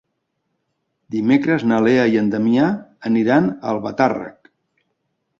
Dimecres na Lea i en Damià aniran a Albatàrrec.